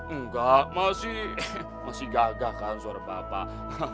enggak masih gagah kan suara bapak